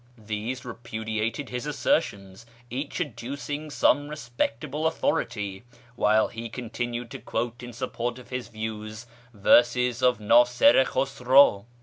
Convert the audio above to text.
These repudiated his assertions, each adducing some respectable authority, while he continued to quote in support of his views verses of Nasir i Khusraw.